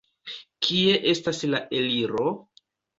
Kie estas la eliro?